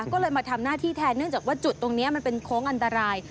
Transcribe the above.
ก็เลยมาทำหน้าที่แทนเนื่องจากว่าจุดตรงนี้มันเป็นโค้งอันตราย